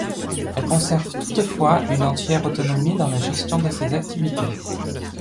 Elle conserve toutefois une entière autonomie dans la gestion de ses activités.